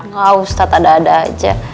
gak ustadz ada ada aja